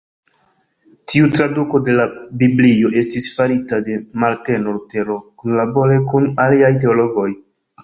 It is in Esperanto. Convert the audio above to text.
Tiu traduko de la Biblio estis farita de Marteno Lutero kunlabore kun aliaj teologoj.